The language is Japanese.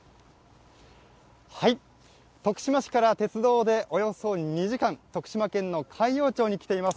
徳島市から鉄道でおよそ２時間、徳島県の海陽町に来ています。